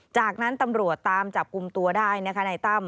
จากนั้นตำรวจตามจับกลุ่มตัวได้นะคะในตั้ม